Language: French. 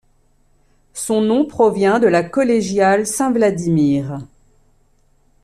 Son nom provient de la collégiale Saint-Vladimir.